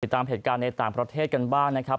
ตามเหตุการณ์ในต่างประเทศกันบ้างนะครับ